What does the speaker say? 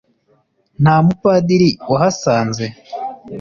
Nta Mupadiri wahasanze?